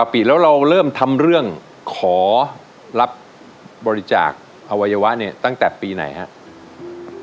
ปีแล้วเราเริ่มทำเรื่องขอรับบริจาคอวัยวะเนี่ยตั้งแต่ปีไหนครับ